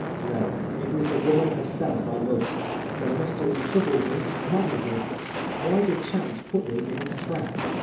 No; it was the woman herself I loved. The mystery troubled me, maddened me. Why did chance put me in its track?